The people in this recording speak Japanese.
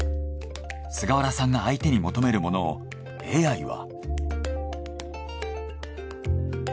菅原さんが相手に求めるものをＡＩは。